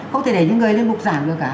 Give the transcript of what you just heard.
không thể để những người lên mục giảm được cả